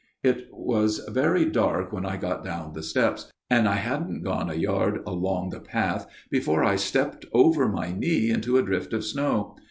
" It was very dark when I got down the steps ; and I hadn't gone a yard along the path before I stepped over my knee into a drift of snow.